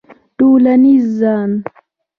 ټولنیز ځان